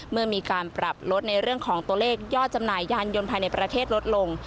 เมื่อมีการปรับลดในเรื่องของตัวเลขยอดจำหน่ายยานยนต์ภายในประเทศลดลง